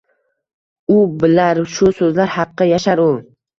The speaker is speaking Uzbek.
U bilar: Shu soʻzlar haqqi yashar u